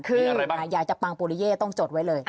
คืออยากจะปังปุริเย่ต้องจดไว้เลย